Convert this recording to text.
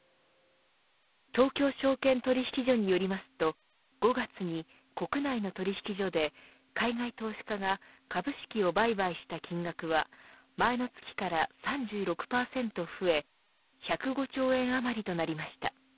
東京証券取引所によりますと５月に国内の取引所で海外投資家が株式を売買した金額は前の月から３６％増え１０５兆円余りとなりました。